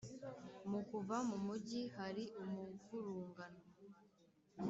Mu kuva mu mugi hari umuvurungano